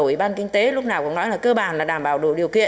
ủy ban kinh tế lúc nào cũng nói là cơ bản là đảm bảo đủ điều kiện